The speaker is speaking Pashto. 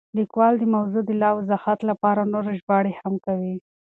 لیکوال د موضوع د لا وضاحت لپاره نورې ژباړې هم کوي.